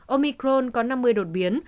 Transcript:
omicron có năm mươi đột biến